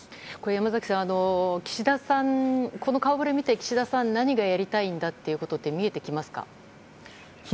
山崎さん、この顔ぶれを見て岸田さんは何がやりたいんだということって見えてきますか？